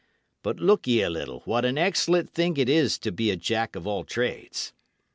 But look ye a little, what an excellent thing it is to be a Jack of all trades!